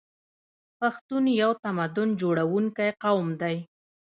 پښتون یو تمدن جوړونکی قوم دی.